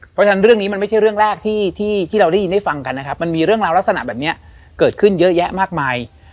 เพราะฉะนั้นเรื่องนี้มันไม่ใช่เรื่องแรกที่เราได้ยินได้ฟังกันนะครับมันมีเรื่องราวลักษณะแบบนี้เกิดขึ้นเยอะแยะมากมาย